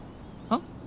あっ？